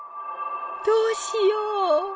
どうしよう。